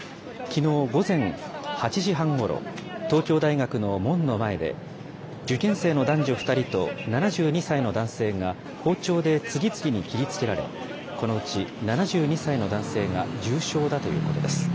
きのう午前８時半ごろ、東京大学の門の前で、受験生の男女２人と７２歳の男性が包丁で次々に切りつけられ、このうち７２歳の男性が重傷だということです。